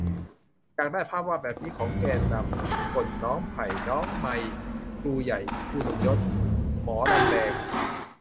อยากได้ภาพวาดแบบนี้ของแกนนำทุกคน น้องไผ่ น้องไมร์ ครูใหญ่ คุณสมยศ หมอลำแบง